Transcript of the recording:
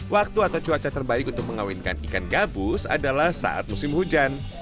waktu atau cuaca terbaik untuk mengawinkan ikan gabus adalah saat musim hujan